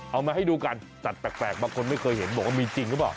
เอามาให้ดูกันสัตว์แปลกบางคนไม่เคยเห็นบอกว่ามีจริงหรือเปล่า